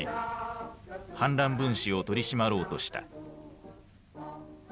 反乱分子を取り締まろうとした。